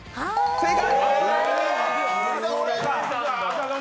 正解！